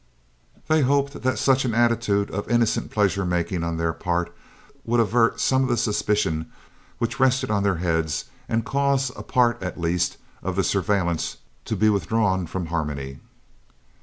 They hoped that such an attitude of innocent pleasure making on their part would avert some of the suspicion which rested on their heads and cause a part, at least, of the surveillance to be withdrawn from Harmony.